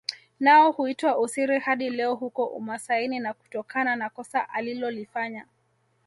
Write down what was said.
Nao huitwa Osiri hadi leo huko umasaini na kutokana na kosa alilolifanya